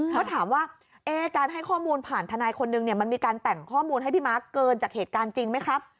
เขาถามว่าการให้ข้อมูลผ่านทนายคนนึงเนี่ยมันมีการแต่งข้อมูลให้พี่ม้าเกินจากเหตุการณ์จริงไหมครับ